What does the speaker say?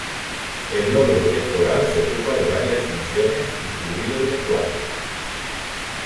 El lóbulo temporal se ocupa de varias funciones, incluido el lenguaje.